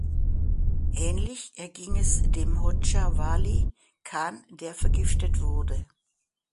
Ähnlich erging es dem Hodscha Wali Khan, der vergiftet wurde.